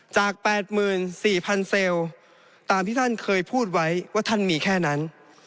จาก๘๔๐๐๐เซลล์ตามที่ท่านเคยพูดไว้ว่าท่านมีแค่นั้น